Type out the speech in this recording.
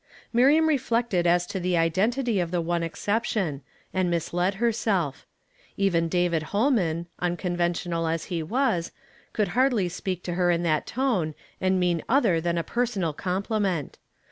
Miriam reflected as to tlie identity of the one exception, and misled hei self. Even David Hol man, unconventional as he was, could hardly sjjcak to lu'r in that tone, and mean other than a personal compHincnt.